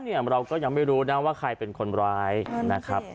เราก็ยังไม่รู้นะว่าใครเป็นคนร้ายนะครับ